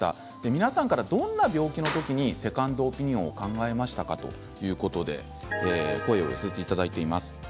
皆さんから、どんな病気の時にセカンドオピニオンを考えましたかということで声を寄せていただいています。